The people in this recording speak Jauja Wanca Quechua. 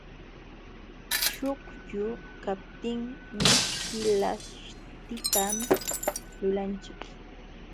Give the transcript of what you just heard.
Chuqllu kaptin mishki laśhtitan lulanchik.